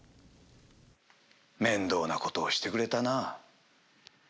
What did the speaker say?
「面倒な事をしてくれたな」